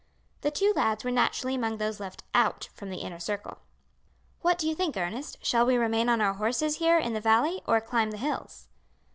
The two lads were naturally among those left out from the inner circle. "What do you think, Ernest; shall we remain on our horses here in the valley or climb the hills?"